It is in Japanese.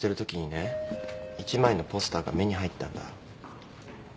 １枚のポスターが目に入ったんだ。